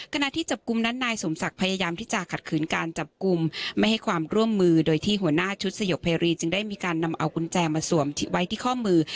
ขณะที่จับกลุ่มนั้นนายสมศักดิ์พยายามที่จะขัดขืนการจับกลุ่มไม่ให้ความร่วมมือโดยที่หัวหน้าชุดสยบไพรีจึงได้มีการนำเอากุญแจมาสวมไว้ที่ข้อมือ